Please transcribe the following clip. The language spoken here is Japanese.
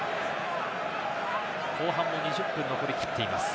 後半も２０分残り切っています。